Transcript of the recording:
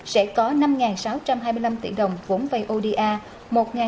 sẽ có năm sáu trăm hai mươi năm tỷ đồng vốn vay oda